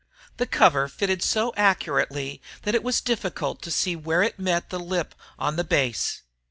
The cover fitted so accurately that it was difficult to see where it met the lip on the base.